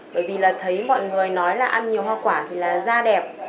bởi vì là thấy mọi người nói là ăn nhiều hoa quả thì là da đẹp